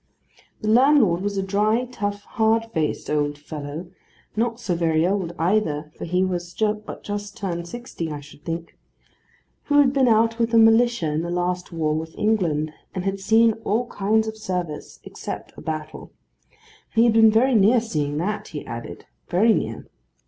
The landlord was a dry, tough, hard faced old fellow (not so very old either, for he was but just turned sixty, I should think), who had been out with the militia in the last war with England, and had seen all kinds of service,—except a battle; and he had been very near seeing that, he added: very near.